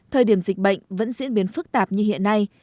thời điểm dịch bệnh vẫn diễn biến phức tạp như hiện nay